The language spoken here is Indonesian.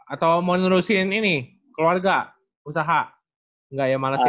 atau mau nerusin ini keluarga usaha nggak ya males ya